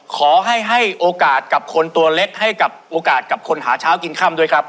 ขอให้ให้โอกาสกับคนตัวเล็กให้กับโอกาสกับคนหาเช้ากินค่ำด้วยครับ